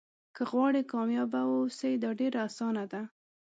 که غواړئ کامیابه واوسئ دا ډېره اسانه ده.